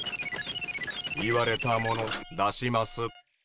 言われたもの出します。